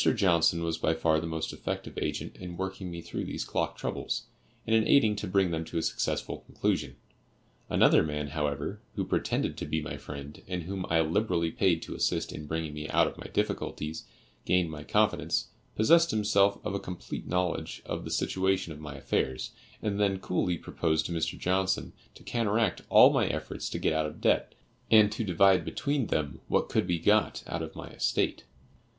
Johnson was by far my most effective agent in working me through these clock troubles, and in aiding to bring them to a successful conclusion. Another man, however, who pretended to be my friend, and whom I liberally paid to assist in bringing me out of my difficulties, gained my confidence, possessed himself of a complete knowledge of the situation of my affairs, and then coolly proposed to Mr. Johnson to counteract all my efforts to get out of debt, and to divide between them what could be got out of my estate.